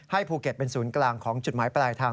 ภูเก็ตเป็นศูนย์กลางของจุดหมายปลายทาง